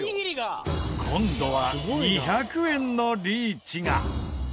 今度は２００円のリーチが！